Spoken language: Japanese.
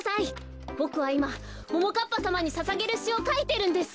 ボクはいまももかっぱさまにささげるしをかいてるんです。